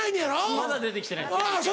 まだ出て来てないですね。